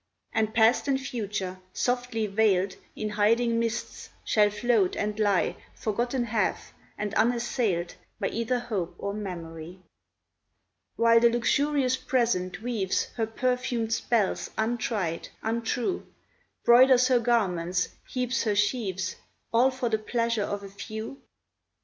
And Past and Future, softly veiled In hiding mists, shall float and lie Forgotten half, and unassailed By either hope or memory, While the luxurious Present weaves Her perfumed spells untried, untrue, Broiders her garments, heaps her sheaves, All for the pleasure of a few?